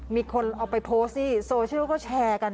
มีคนเอาไปโพสต์สิโซเชียลก็แชร์กัน